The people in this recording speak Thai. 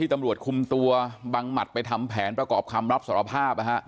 ตำรวจคุมตัวบังหมัดไปทำแผนประกอบคำรับสารภาพ